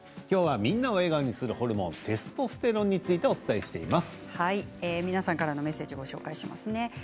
きょうはみんなを笑顔にするホルモンテストステロンについて皆さんからのメッセージをご紹介します。